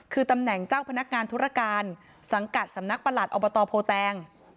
คือตำแหน่งเจ้าพนักงานธุรการสังกัดสำนักประหลัดอบตโพแตง